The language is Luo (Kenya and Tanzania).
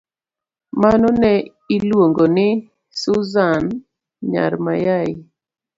Mano ne Iluong'o ni Susan Nya Mayai